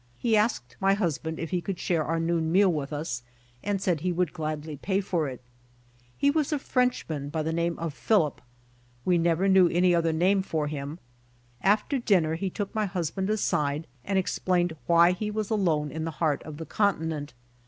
He asked my hus band if he could share our noon meal with us, and said he would gladly pay for it. He was a Frenchman by the name of Philip. We never knew any other name for him. After dinner he took ray husband aside and explained why he was alone in the heart of the continent.